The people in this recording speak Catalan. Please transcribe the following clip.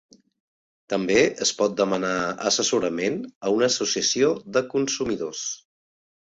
També es pot demanar assessorament a una Associació de consumidors.